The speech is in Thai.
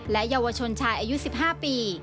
เยาวชนชายอายุ๑๕ปี